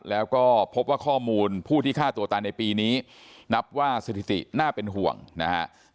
แล้วก็พบว่าข้อมูลผู้ที่ฆ่าตัวตายในปีนี้นับว่าสถิติน่าเป็นห่วงนะฮะ